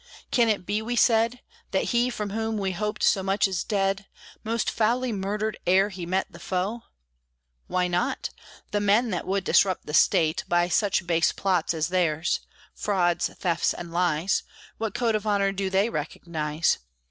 "Can it be?" we said, "That he from whom we hoped so much, is dead, Most foully murdered ere he met the foe?" Why not? The men that would disrupt the State By such base plots as theirs frauds, thefts, and lies What code of honor do they recognize?